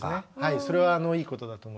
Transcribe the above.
それはいいことだと思います。